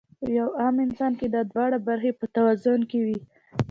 پۀ يو عام انسان کې دا دواړه برخې پۀ توازن کې وي -